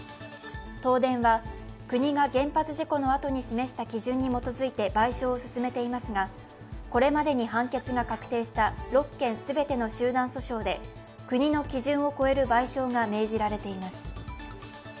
東電は、国が原発事故のあとに示した基準に基づいて賠償を進めていますがこれまでに判決が確定した６件すべての集団訴訟で国の基準を超える賠償が命じられています。